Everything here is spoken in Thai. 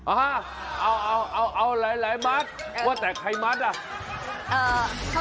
อ้าวเอาเอาเอาเอาหลายหลายมัตต์ว่าแต่ใครมัตต์อ่ะ